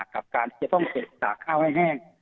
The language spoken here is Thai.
กับการจะต้องสากข้าวให้แห้ง